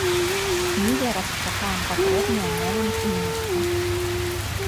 Мы зараз чакаем патрэбныя момант і месца.